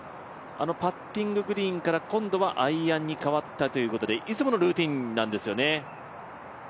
パッティンググリーンからアイアンにかわったということでいつものルーティンなんですよね。